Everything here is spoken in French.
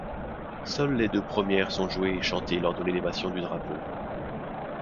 Seules les deux premières sont jouées et chantées lors de l'élévation du drapeau.